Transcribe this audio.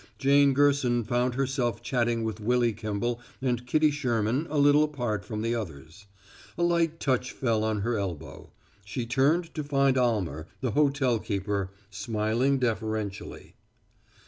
Jane Gerson found herself chatting with Willy Kimball and Kitty Sherman a little apart from the others. A light touch fell on her elbow. She turned to find Almer, the hotel keeper, smiling deferentially.